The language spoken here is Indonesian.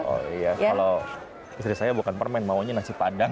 oh iya kalau istri saya bukan permen maunya nasi padang